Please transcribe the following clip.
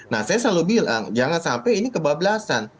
nah saya selalu bilang jangan sampai ini kebablasan